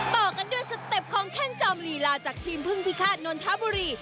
ต่อกันด้วยสเต็ปของแข้งจอมลีลาจากทีมพึ่งพิฆาตนนทบุรี